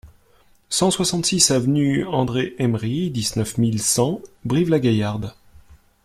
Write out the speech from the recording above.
cent soixante-six avenue André Emery, dix-neuf mille cent Brive-la-Gaillarde